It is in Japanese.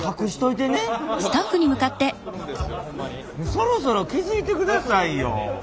そろそろ気付いてくださいよ。